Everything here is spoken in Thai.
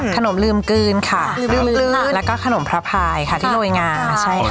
ขนมลืมกลืนค่ะลืมกลืนแล้วก็ขนมพระพายค่ะที่โรยงาใช่ค่ะ